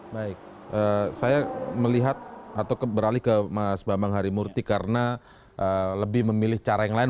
baik saya melihat atau beralih ke mas bambang harimurti karena lebih memilih cara yang lain